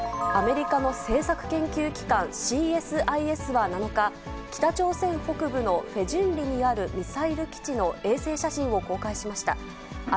アメリカの政策研究機関、ＣＳＩＳは７日、北朝鮮北部のフェジュンリにあるミサイル基地の衛星写真を公開しました。